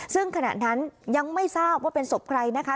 ซึ่งขณะนั้นยังไม่ทราบว่าเป็นศพใครนะคะ